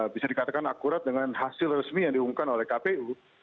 bisa dikatakan akurat dengan hasil resmi yang diumumkan oleh kpu